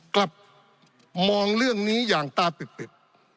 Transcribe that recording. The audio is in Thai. กลับมองเรื่องนี้อย่างตาปิบ